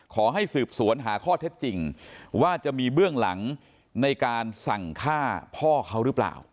ขอให้สืบสวนหาข้อเท็จจริงว่าจะมีเบื้องหลังในการสั่งฆ่าพ่อเขาหรือเปล่า